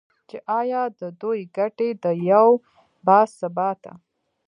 چې ایا د دوی ګټې د یو با ثباته